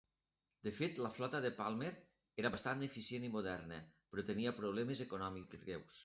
De fet, la flota de Palmer era bastant eficient i moderna, però tenia problemes econòmics greus.